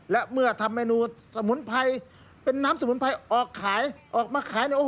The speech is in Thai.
และเมื่อทำเมนูน้ำสมุนไพรออกมาขาย